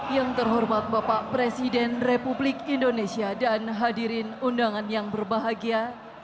yang terhormat bapak presiden republik indonesia dan hadirin undangan yang berbahagia